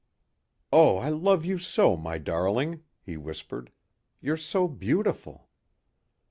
"Oh, I love you so, my darling," he whispered. "You're so beautiful."